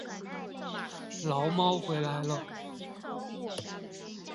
牢猫回来了